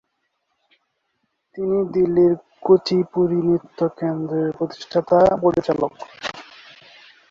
তিনি দিল্লির কুচিপুড়ি নৃত্য কেন্দ্রের প্রতিষ্ঠাতা-পরিচালক।